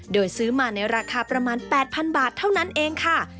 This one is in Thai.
โดยซื้อมาในราคาประมาณ๘๐๐บาทเท่านั้นเองค่ะ